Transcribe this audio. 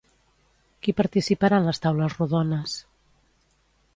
Qui participarà en les taules rodones?